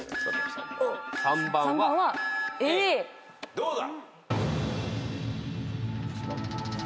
どうだ？